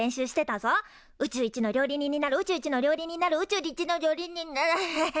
宇宙一の料理人になる宇宙一の料理人になる宇宙りちの料理人になアハハハ。